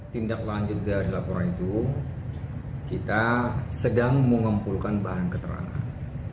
tindak lanjut dari laporan itu kita sedang mengumpulkan bahan keterangan